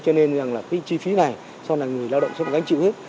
cho nên là cái chi phí này sau này người lao động sẽ gánh chịu hết